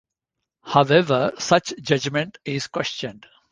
However, such judgement is questioned.